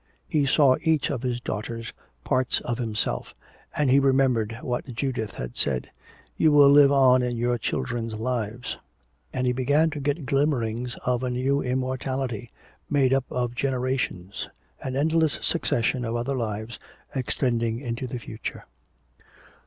He saw each of his daughters, parts of himself. And he remembered what Judith had said: "You will live on in our children's lives." And he began to get glimmerings of a new immortality, made up of generations, an endless succession of other lives extending into the future.